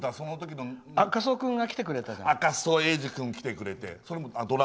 赤楚衛二君も来てくれて。